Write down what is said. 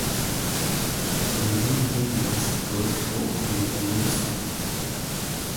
The main room was the great hall in the north side.